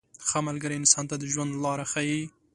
• ښه ملګری انسان ته د ژوند لاره ښیي.